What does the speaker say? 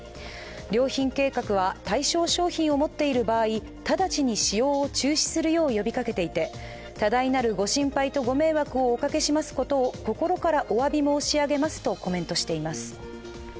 良品計画は、対象商品を保っている場合直ちに使用を中止するよう呼びかけていて多大なるご心配とご迷惑をおかけしますことを心からおわび申し上げとコメントしています。